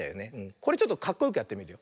これちょっとかっこよくやってみるよ。